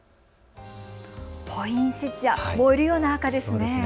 ポインセチア、燃えるような赤ですね。